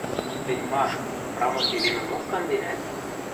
Тӹнь ма, прамой эдемӹмок канденӓт?